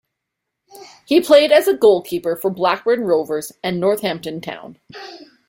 He played as a goalkeeper for Blackburn Rovers and Northampton Town.